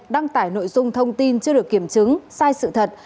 đăng tải nội dung thông tin chưa được kiểm chứng sai sự thật